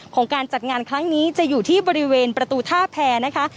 การจัดงานครั้งนี้จะอยู่ที่บริเวณประตูท่าแพรนะคะ